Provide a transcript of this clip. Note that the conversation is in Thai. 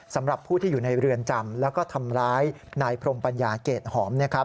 สำหรับผู้ที่อยู่ในเรือนจำแล้วก็ทำร้ายนายพรมปัญญาเกรดหอม